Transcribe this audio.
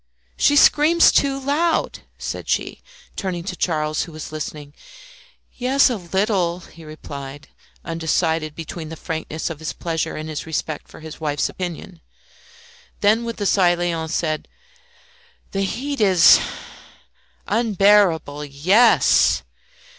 "She screams too loud," said she, turning to Charles, who was listening. "Yes a little," he replied, undecided between the frankness of his pleasure and his respect for his wife's opinion. Then with a sigh Léon said "The heat is " "Unbearable! Yes!"